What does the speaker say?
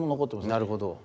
なるほど。